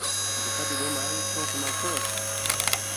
گوپا دی گو مان٘ی کھیونگسا مہ کھیونگس؟